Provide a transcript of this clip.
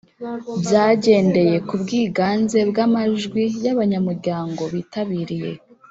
bagendeye ku bwiganze bw’amajwi y’abanyamuryango bitabiriye